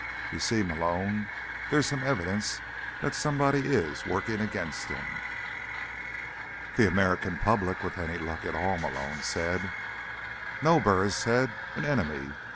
"You see, Malone, there's some evidence that somebody is working against him." "The American public, with any luck at all," Malone said. "No," Burris said. "An enemy.